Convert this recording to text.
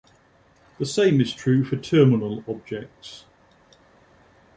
The same is true for terminal objects.